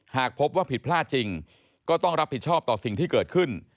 หากพบว่าผิดพลาดจริงก็ต้องรับผิดชอบต่อสิ่งที่เกิดขึ้น